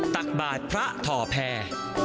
ตักบาทพระถ่อแพร่